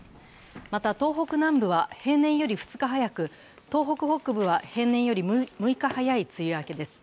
また東北南部は平年より２日早く、東北北部は平年より６日早い梅雨明けです。